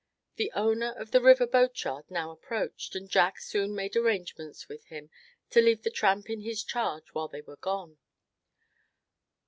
The owner of the river boatyard now approached, and Jack soon made arrangements with him to leave the Tramp in his charge while they were gone.